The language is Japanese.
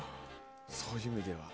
そういう意味では。